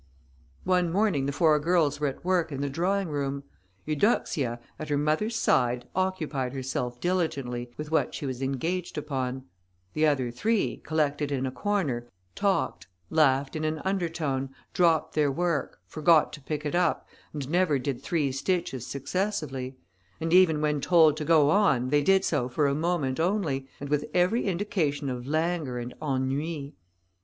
One morning the four girls were at work in the drawing room. Eudoxia, at her mother's side, occupied herself diligently with what she was engaged upon; the other three, collected in a corner, talked, laughed in an under tone, dropped their work, forgot to pick it up, and never did three stitches successively; and even when told to go on, they did so for a moment only, and with every indication of languor and ennui.